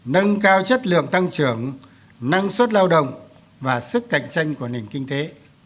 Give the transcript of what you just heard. nâng cao chất lượng tăng trưởng năng suất lao động và sức cạnh tranh của nền kinh tế